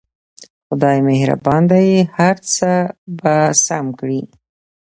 خدای مهربان دی هر څه به سم کړي